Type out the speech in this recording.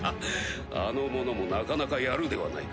あの者もなかなかやるではないか。